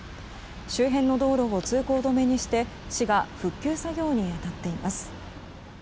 周辺の道路を通行止めにして市が復旧作業に当たっています。